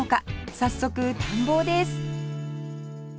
早速探訪です